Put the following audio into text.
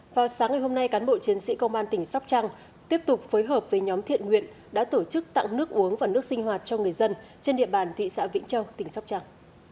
vào sáng ngày hôm nay cán bộ chiến sĩ công an tỉnh sóc trăng tiếp tục phối hợp với nhóm thiện nguyện đã tổ chức tặng nước uống và nước sinh hoạt cho người dân trên địa bàn thị xã vĩnh châu tỉnh sóc trăng